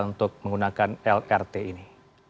untuk menggunakan lrt ini